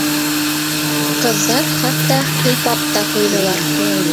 Ҡыҙҙар хатта һыйпап та ҡуйҙылар.